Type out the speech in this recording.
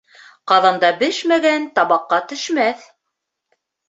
Ҡаҙанда бешмәгән табаҡҡа төшмәҫ.